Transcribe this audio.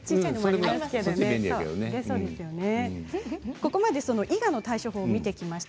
ここまでイガの対処法を見てきました。